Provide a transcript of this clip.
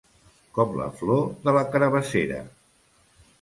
Com la flor de carabassera.